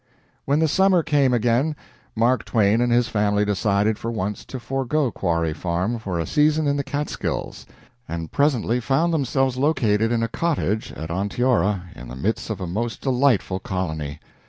When the summer came again, Mark Twain and his family decided for once to forego Quarry Farm for a season in the Catskills, and presently found themselves located in a cottage at Onteora in the midst of a most delightful colony.